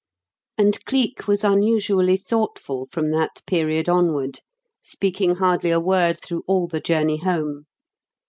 And Cleek was unusually thoughtful from that period onward; speaking hardly a word through all the journey home.